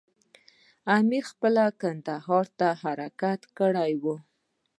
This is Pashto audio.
امیر پخپله کندهار ته حرکت کړی وو.